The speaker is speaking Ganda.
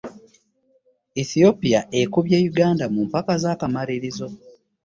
Ethiopia ekubye Uganda mu mpaka zakamalirizo.